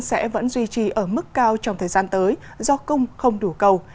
sẽ vẫn duy trì ở mức cao trong thời gian tới do cung không đủ cầu